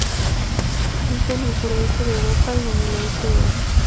Habita en el sureste de Europa y en el oeste de Asia.